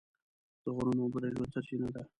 د غرونو اوبه د ژوند سرچینه ده.